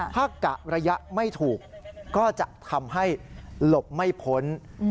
ถ้ากะระยะไม่ถูกก็จะทำให้หลบไม่พ้น